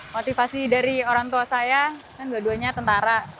motivasi dari orang tua saya kan dua duanya tentara